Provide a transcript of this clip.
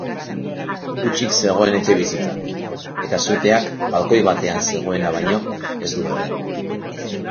Hutsik zegoen etxebizitza, eta suteak balkoi batean zegoena baino ez du erre.